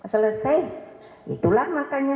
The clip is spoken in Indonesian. selesai itulah makanya